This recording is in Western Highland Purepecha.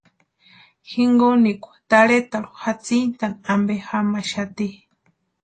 Jinkonikwa tarhetarhu jatsintani ampe jamaxati.